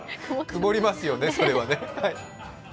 曇りますよね、それはね。